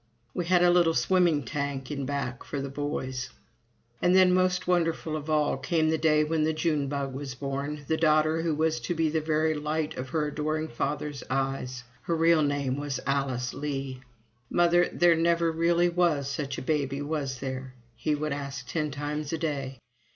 We had a little swimming tank in back, for the boys. And then, most wonderful of all, came the day when the June Bug was born, the daughter who was to be the very light of her adoring father's eyes. (Her real name is Alice Lee.) "Mother, there never really was such a baby, was there?" he would ask ten times a day.